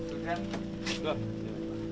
tidak hanya itu